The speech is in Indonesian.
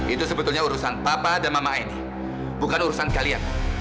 itu sebetulnya urusan papa dan mama ini bukan urusan kalian